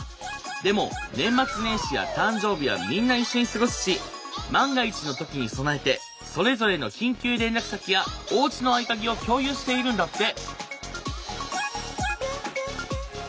でも年末年始や誕生日はみんな一緒に過ごすし万が一の時に備えてそれぞれの緊急連絡先やおうちの合鍵を共有しているんだって。